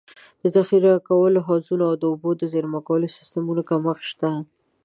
ذخیره کوونکو حوضونو او د اوبو د زېرمه کولو سیستمونو کمښت شته.